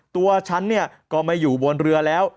ตัวฉันก็มาอยู่บนเรือแล้ว